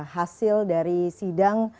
hasil dari sidang